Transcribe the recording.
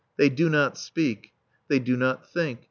They do not speak. They do not think.